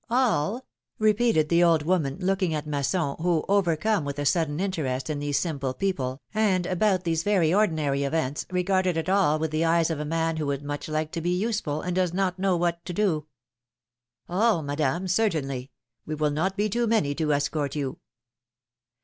^^All?" repeated the old woman, looking at Masson, who, overcome with a sudden interest in these simple people, and about these very ordinary events, regarded 10 154 philomene's marriages. it all with the eyes of a man who would much like to be useful and does not know what to do. Madame, certainly; we will not be too many to escort you.